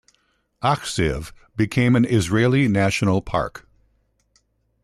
Achziv became an Israeli national park.